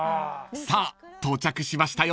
［さあ到着しましたよ］